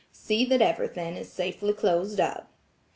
See that everything is safely closed up.